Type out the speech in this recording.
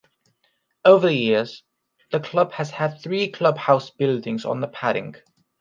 Over the years, the club has had three clubhouse buildings on the Padang.